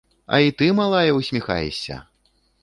А, і ты, малая, усміхаешся!